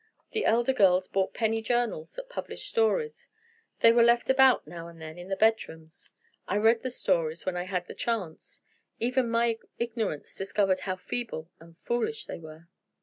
The elder girls bought penny journals that published stories. They were left about now and then in the bedrooms. I read the stories when I had the chance. Even my ignorance discovered how feeble and foolish they were.